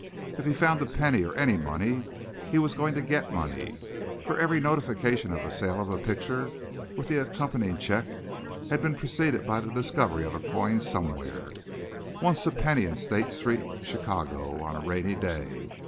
If he found a penny or any money, he was going to get money; for every notification of a sale of a picture with the accompanying check had been preceded by the discovery of a coin somewhere: once a penny in State Street, Chicago, on a rainy day M.